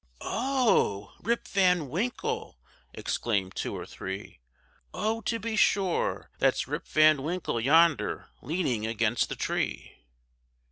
"Oh, Rip Van Winkle!" exclaimed two or three. "Oh, to be sure! that's Rip Van Winkle yonder, leaning against the tree."